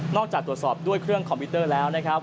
จากตรวจสอบด้วยเครื่องคอมพิวเตอร์แล้วนะครับ